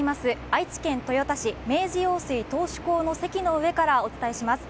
愛知県豊田市明治用水頭首工のせきの上からお伝えします。